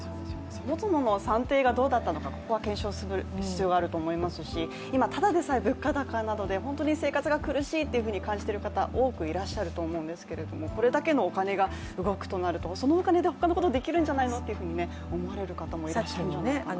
そもそもの算定がどうだったのか、検証する必要があると思いますし、今、ただでさえ物価高などで本当に生活が苦しいと感じてる方多くいらっしゃると思うんですけれどもこれだけのお金が動くとなるとそのお金でほかのことできるんじゃないのと思われる方もいらっしゃいますよね。